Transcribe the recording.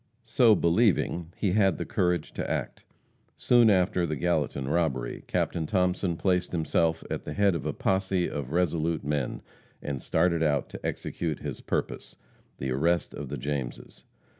So believing, he had the courage to act. Soon after the Gallatin robbery, Captain Thomason placed himself at the head of a posse of resolute men, and started out to execute his purpose the arrest of the Jameses.